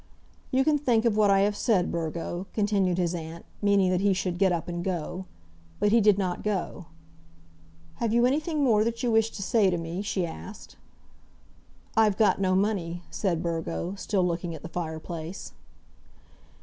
"You can think of what I have said, Burgo," continued his aunt, meaning that he should get up and go. But he did not go. "Have you anything more that you wish to say to me?" she asked. "I've got no money," said Burgo, still looking at the fireplace.